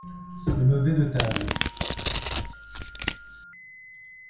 se lever de table.